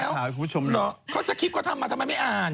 เขาจะถามให้คุณผู้ชมเหรอเขาจะคลิปก็ทำมาทำไมไม่อ่าน